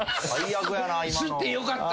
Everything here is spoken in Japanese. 吸ってよかった。